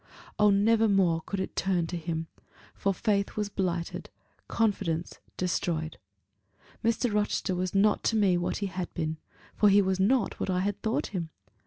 Oh, never more could it turn to him; for faith was blighted confidence destroyed! Mr. Rochester was not to me what he had been; for he was not what I had thought him.